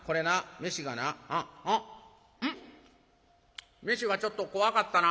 うん飯がちょっとこわかったな。